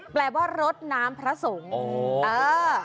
แปลว่ารดน้ำพระสงฆ์อ่า